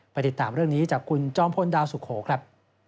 ติดตามเรื่องนี้จากคุณจอมพลดาวสุโขครับ